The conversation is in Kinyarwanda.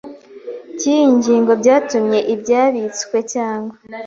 cy iyi ngingo byatumye ibyabitswe cyangwa